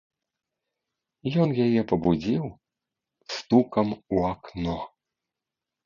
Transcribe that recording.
Ён яе пабудзіў стукам у акно.